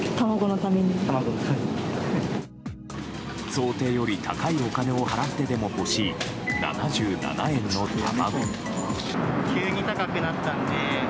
想定より高いお金を払ってでも欲しい、７７円の卵。